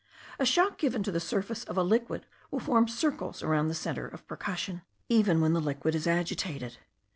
A shock given to the surface of a liquid will form circles around the centre of percussion, even when the liquid is agitated.